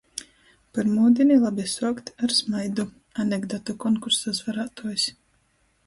Pyrmūdīni labi suokt ar smaidu! Anekdotu konkursa uzvarātuojs...